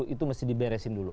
itu mesti diberesin dulu